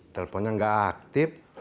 teleponnya gak aktif